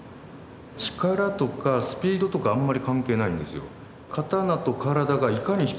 力とかスピードとかあんまり関係ないんですよ。